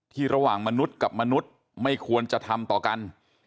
ระหว่างมนุษย์กับมนุษย์ไม่ควรจะทำต่อกัน